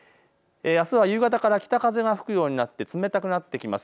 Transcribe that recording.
あすは夕方から北風が吹くようになって冷たくなってきます。